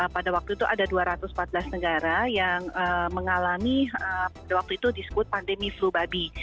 pada waktu itu ada dua ratus empat belas negara yang mengalami pada waktu itu disebut pandemi flu babi